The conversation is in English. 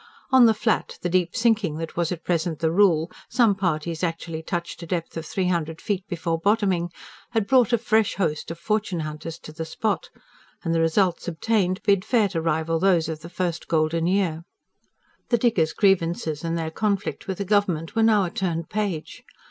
On the Flat, the deep sinking that was at present the rule some parties actually touched a depth of three hundred feet before bottoming had brought a fresh host of fortune hunters to the spot, and the results obtained bid fair to rival those of the first golden year. The diggers' grievances and their conflict with the government were now a turned page.